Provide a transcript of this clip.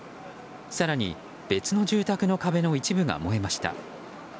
更に、別の住宅の壁の一部が燃えました。